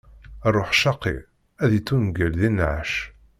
Ṛṛuḥ ccaqi, ad ittuneggel di nneɛc.